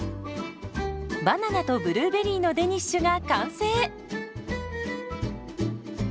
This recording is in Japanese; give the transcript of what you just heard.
バナナとブルーベリーのデニッシュが完成。